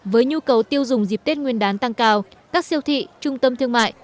với nhu cầu tiêu dùng dịp tết nguyên đán tăng cao các siêu thị trung tâm thương mại